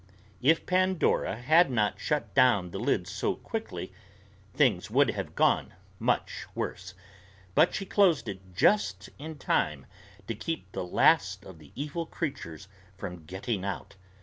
If Pandora had not shut down the lid so quickly, things would have gone much worse. But she closed it just in time to keep the last of the evil creatures from getting out.